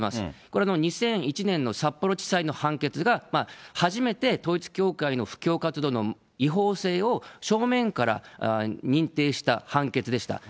これは２００１年の札幌地裁の判決が、初めて統一教会の布教活動の違法性を正面から認定した判決でした。